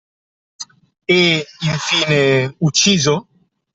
E, in fine, ucciso?